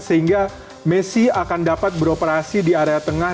sehingga messi akan dapat beroperasi di area tengah